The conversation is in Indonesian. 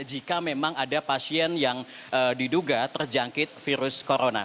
jika memang ada pasien yang diduga terjangkit virus corona